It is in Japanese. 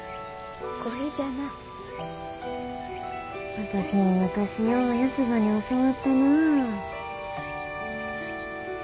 私も昔ようヤスばに教わったな。